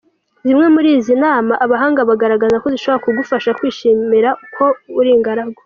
Zimwe muri izi nama abahanga bagaragaza zishobora kugufasha kwishimira ko uri ingaragu:.